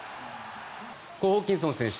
ホーキンソン選手